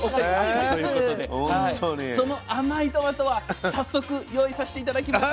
その甘いトマトは早速用意させて頂きました。